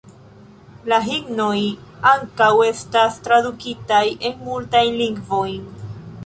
La himnoj ankaŭ estas tradukitaj en multajn lingvojn.